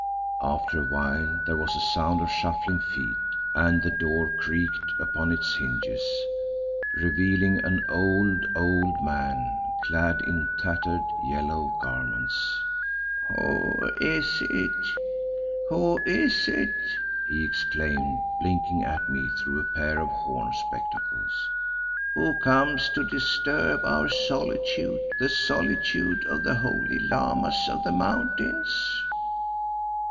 After awhile there was a sound of shuffling feet and the door creaked upon its hinges, revealing an old, old man, clad in tattered, yellow garments. "Who is it? Who is it?" he exclaimed, blinking at me through a pair of horn spectacles. "Who comes to disturb our solitude, the solitude of the holy Lamas of the Mountains?"